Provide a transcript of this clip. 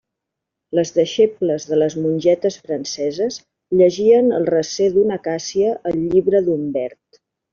Les deixebles de les mongetes franceses llegien al recer d'una acàcia el llibre d'Umbert.